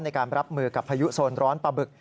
ในการรับมือกับพายุโซนร้อนปลาบึก